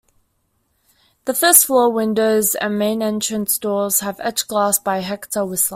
The first floor windows and main entrance doors have etched glass by Hector Whistler.